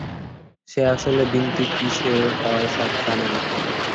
সে আসলে বিন্তি কিসে হয় সব জানে না।